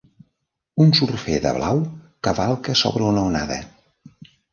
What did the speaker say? Un surfer de blau cavalca sobre una onada